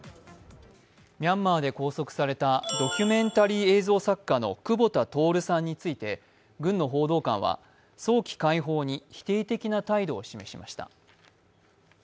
ミャンマーで拘束されたドキュメンタリー映像作家の久保田徹さんについて軍の報道官は早期解放に否定的な態度を示しました。